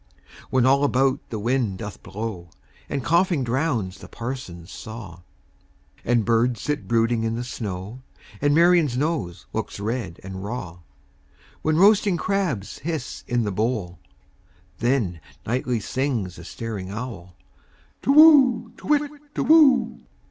When all about the wind doth blow, And coughing drowns the parson's saw, And birds sit brooding in the snow, And Marian's nose looks red and raw; When roasted crabs hiss in the bowl—Then nightly sings the staring owlTu whoo! To whit, Tu whoo!